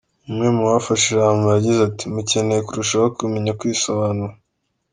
Umwe mu bafashe ijambo yagize ati :”Mukeneye kurushaho kumenya kwisobanura.